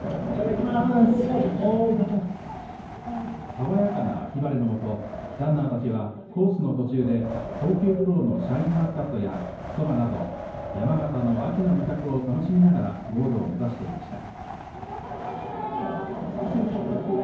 爽やかな秋晴れの下ランナーたちはコースの途中で高級ぶどうのシャインマスカットやそばなど山形の秋の味覚を楽しみながらゴールを目指していました。